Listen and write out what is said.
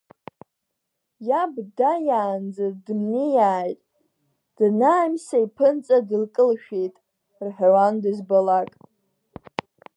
Иаб дааиаанӡа дымнеиааит, данааимса иԥынҵа дылкылшәеит, рҳәауан дызбалак…